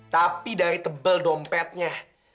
tapi dari tebel dompetnya